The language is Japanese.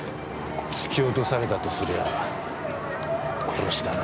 突き落とされたとするなら殺しだな。